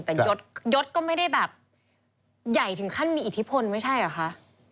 แต่ยศก็ไม่ได้แบบใหญ่ถึงขั้นมีอิทธิพลไม่ใช่เหรอคะ